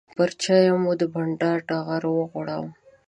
پر چایو مو د بانډار ټغر وغوړاوه.